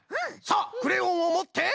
さあクレヨンをもって。